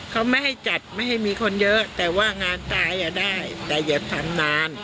เขาไม่ให้จัดไม่ให้มีคนเยอะแต่ว่างานตายได้แต่อย่าทำนาน